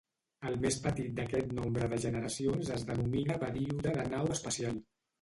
El més petit d'aquest nombre de generacions es denomina període de nau espacial.